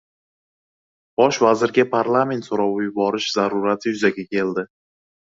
Bosh vazirga parlament so‘rovi yuborish zarurati yuzaga keldi